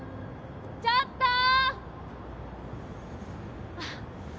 ちょっとー！